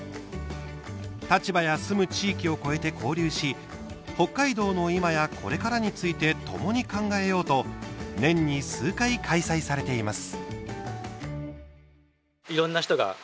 立場や住む地域を超えて交流し北海道の今やこれからについてともに考えようと年に数回、開催されています。